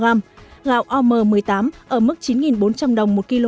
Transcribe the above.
giá gạo om một mươi tám ở mức chín bốn trăm linh đồng một kg